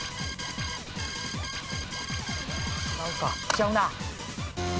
ちゃうな。